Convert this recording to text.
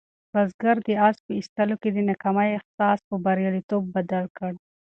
بزګر د آس په ایستلو کې د ناکامۍ احساس په بریالیتوب بدل کړ.